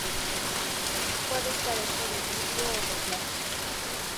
Puede estar hecho de vidrio o de plástico.